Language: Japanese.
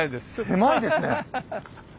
狭いですね！